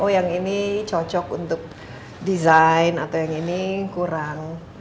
oh yang ini cocok untuk desain atau yang ini kurang